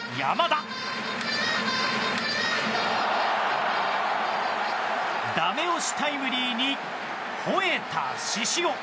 ダメ押しタイムリーにほえた獅子男！